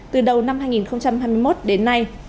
từ đầu năm hai nghìn hai mươi một đến nay